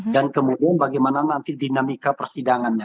dan kemudian bagaimana nanti dinamika persidangannya